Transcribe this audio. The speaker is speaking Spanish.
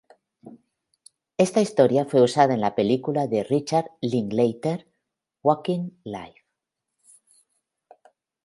Esta historia fue usada en la película de Richard Linklater "Waking Life".